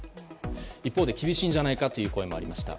一方で厳しいんじゃないかという声もありました。